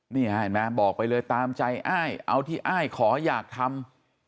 นี่ฮะเห็นไหมบอกไปเลยตามใจอ้ายเอาที่อ้ายขออยากทำ